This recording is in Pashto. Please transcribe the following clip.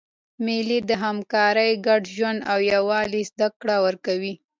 مېلې د همکارۍ، ګډ ژوند او یووالي زدهکړه ورکوي.